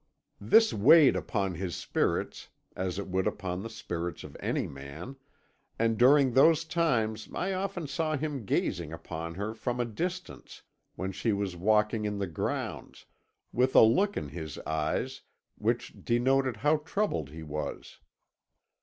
"This weighed upon his spirits, as it would upon the spirits of any man, and during those times I often saw him gazing upon her from a distance, when she was walking in the grounds, with a look in his eyes which denoted how troubled he was.